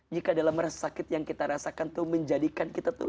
jika dalam rasa sakit yang kita rasakan itu menjadikan kita tuh